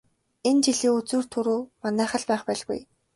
Энэ жилийн үзүүр түрүү манайх л байх байлгүй.